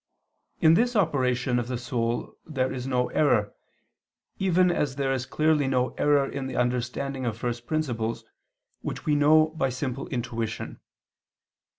In this operation of the soul there is no error, even as there is clearly no error in the understanding of first principles which we know by simple intuition.